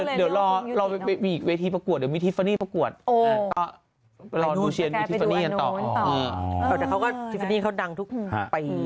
นี่เขาดังทุกปี